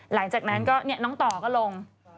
หลังจากนั้นก็น้องต่อก็ลง